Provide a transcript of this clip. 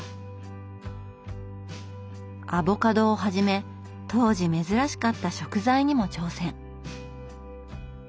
アボカドをはじめ当時珍しかった食材にも挑戦。